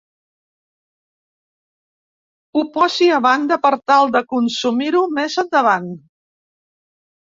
Ho posi a banda per tal de consumir-ho més endavant.